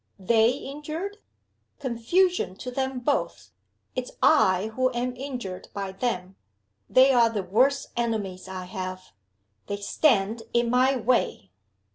They injured? Confusion to them both! It's I who am injured by them. They are the worst enemies I have! They stand in my way.